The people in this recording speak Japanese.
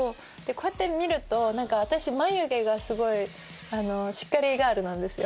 こうやって見ると私眉毛がすごいしっかりガールなんです。